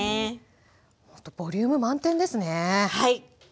ほんとボリューム満点ですね。